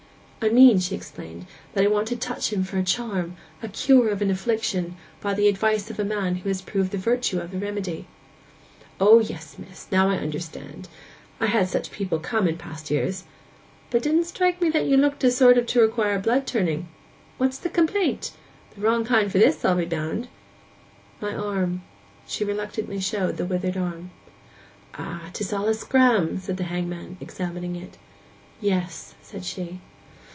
'I mean,' she explained, 'that I want to touch him for a charm, a cure of an affliction, by the advice of a man who has proved the virtue of the remedy.' 'O yes, miss! Now I understand. I've had such people come in past years. But it didn't strike me that you looked of a sort to require blood turning. What's the complaint? The wrong kind for this, I'll be bound.' 'My arm.' She reluctantly showed the withered skin. 'Ah—'tis all a scram!' said the hangman, examining it. 'Yes,' said she.